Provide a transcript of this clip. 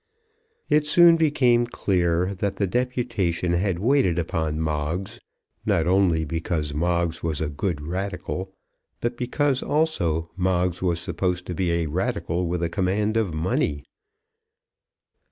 It soon became clear that the deputation had waited upon Moggs, not only because Moggs was a good Radical, but because also Moggs was supposed to be a Radical with a command of money.